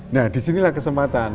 nah disinilah kesempatan